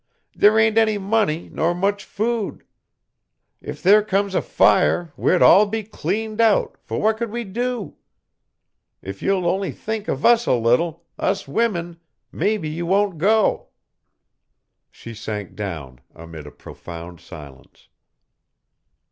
There ain't any money nor much food. If there come a fire we'd all be cleaned out, for what could we do? If you'll only think of us a little us women mebbe you won't go." She sank down amid a profound silence.